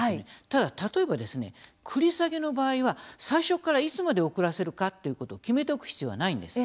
ただ例えば、繰り下げの場合は最初から、いつまで遅らせるかということを決めておく必要はないんです。